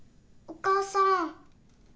・お母さん。